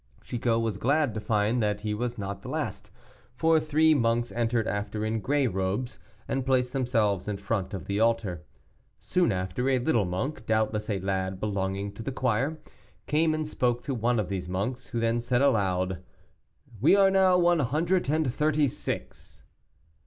Chicot was glad to find that he was not the last, for three monks entered after in gray robes, and placed themselves in front of the altar. Soon after, a little monk, doubtless a lad belonging to the choir, came and spoke to one of these monks, who then said, aloud, "We are now one hundred and thirty six."